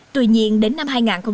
tuy nhiên đến năm hai nghìn một mươi sáu